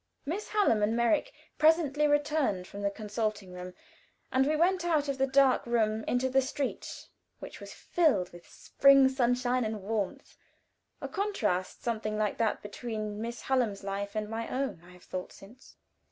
Miss Hallam and Merrick presently returned from the consulting room, and we went out of the dark room into the street, which was filled with spring sunshine and warmth; a contrast something like that between Miss Hallam's life and my own, I have thought since.